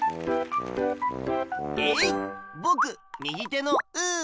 えいっぼくみぎてのうー！